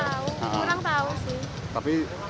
kurang tahu sih